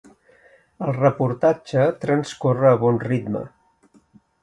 El reportatge transcorre a bon ritme.